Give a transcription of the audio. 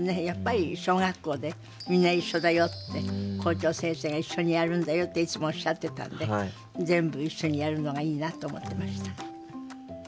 やっぱり小学校で「みんないっしょだよ」って校長先生が「一緒にやるんだよ」っていつもおっしゃってたんで全部一緒にやるのがいいなと思ってました。